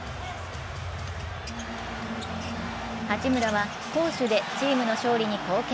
八村は攻守でチームの勝利に貢献。